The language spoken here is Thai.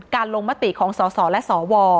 ลงมติของสสและสว